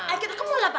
ayu ke mall apa